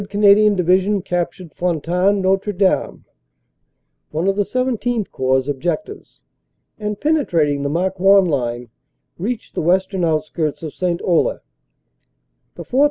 Canadian Division cap tured Fontaine Notre Dame (one of the XVII Corps objectives), and, penetrating the Marcoing line, reached the western outskirts of St. Olle. The 4th.